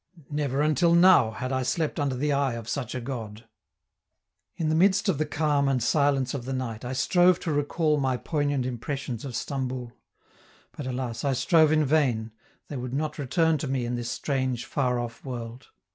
Never until now had I slept under the eye of such a god. In the midst of the calm and silence of the night, I strove to recall my poignant impressions of Stamboul; but, alas, I strove in vain, they would not return to me in this strange, far off world.